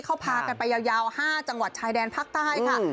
เขาพากันไปยาว๕จังหวัดชายแดนภาคใต้ค่ะ